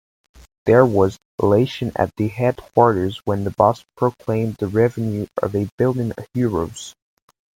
There was elation at the headquarters when the boss proclaimed the revenue of a billion euros.